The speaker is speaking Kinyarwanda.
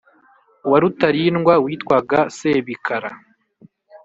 wa Rutarindwa witwaga Sebikara